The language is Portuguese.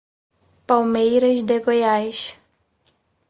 Palmeiras de Goiás